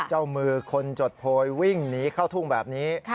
เจ้ามือคนจดโพยวิ่งหนีเข้าทุ่งแบบนี้